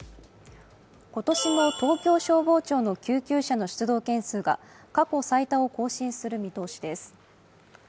今年の東京消防庁の救急車の出動件数が過去最多を更新する見通しです。